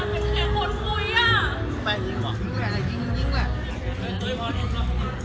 แปลงอีกหรอทุกคนอาจารย์จริงอ่ะ